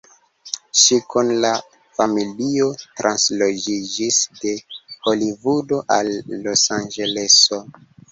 Ŝi kun la familio transloĝiĝis de Holivudo al Losanĝeleso.